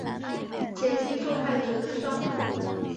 减轻受害者的伤痛